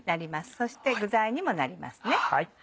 そして具材にもなりますね。